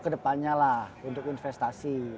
kedepannya lah untuk investasi